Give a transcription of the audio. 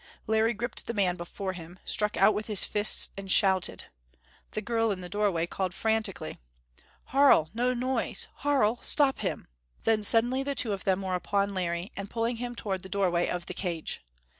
Larry gripped the man before him; struck out with his fists and shouted. The girl in the doorway called frantically: "Harl no noise! Harl stop him!" Then, suddenly the two of them were upon Larry and pulling him toward the doorway of the cage.